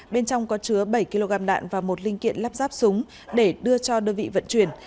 bên trong có chứa bảy kg đạn và một linh kiện lắp ráp súng để đưa cho đơn vị vận chuyển